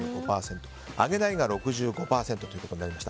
あげないが６５％となりました。